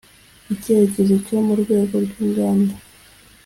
icyitegererezo cyo mu rwego rw inganda